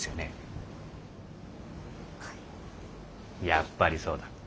やっぱりそうだ。